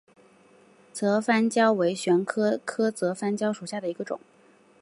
泽番椒为玄参科泽番椒属下的一个种。